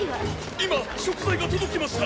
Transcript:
今食材が届きました！